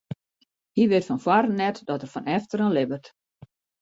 Hy wit fan foaren net dat er fan efteren libbet.